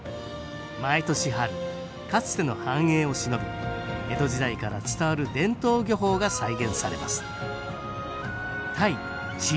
毎年春かつての繁栄をしのび江戸時代から伝わる伝統漁法が再現されます